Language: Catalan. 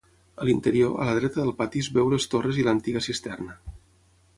A l'interior, a la dreta del pati es veu les torres i l'antiga cisterna.